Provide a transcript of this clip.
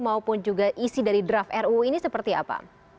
maupun juga isi dari draft ruu ini seperti apa